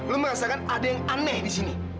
lo merasakan ada yang aneh disini